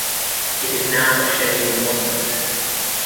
It is now a Scheduled Monument.